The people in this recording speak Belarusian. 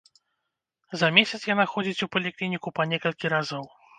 За месяц яна ходзіць у паліклініку па некалькі разоў.